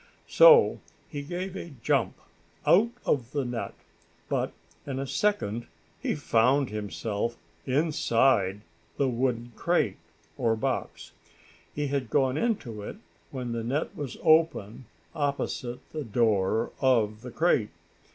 So he gave a jump out of the net, but, in a second he found himself inside the wooden crate, or box. He had gone into it when the net was open opposite the door of the crate.